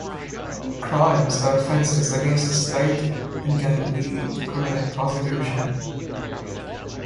Crimes are offenses against the state and can lead to criminal prosecution.